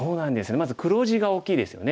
まず黒地が大きいですよね。